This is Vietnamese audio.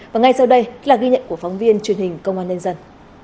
và ngay sau đây là ghi nhận của phóng viên truyền hình công an nhân dân